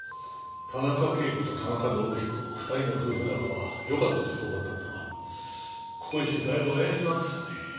田中啓子と田中伸彦２人の夫婦仲はよかったと評判だったがここへきてだいぶ怪しくなってきたねえ。